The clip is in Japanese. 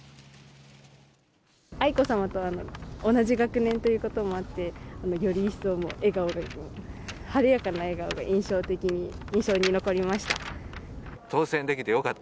愛子さまと同じ学年ということもあって、より一層、笑顔が、晴れやかな笑顔が印象的に、印象に残りました。